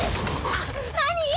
何！？